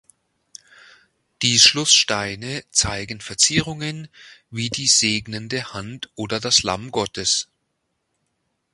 Die Schlusssteine zeigen Verzierungen wie die segnende Hand oder das Lamm Gottes.